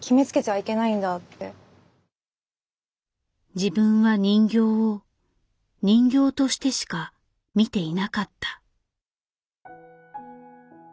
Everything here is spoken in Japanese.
自分は人形を人形としてしか見ていなかった。